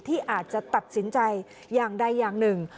ที่อาจจะตัดสินใจอย่างใดอย่างหนึ่ง